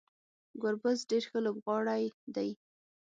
ګربز ډیر ښه لوبغاړی دی